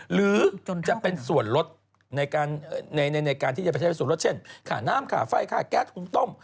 หรือจะเป็นส่วนลดในการที่จะไปใช้ส่วนลดเช่นค่าน้ำค่าไฟค่าแก๊สหุงต้ม